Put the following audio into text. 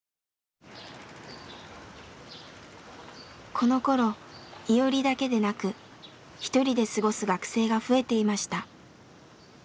このころイオリだけでなく一人で過ごす学生が増えていました。